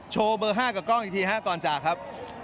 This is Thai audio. โชว์เบอร์๕กับกล้องอีกทีฮะก่อนจากครับ